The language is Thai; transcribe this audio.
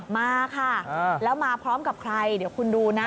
มาค่ะแล้วมาพร้อมกับใครเดี๋ยวคุณดูนะ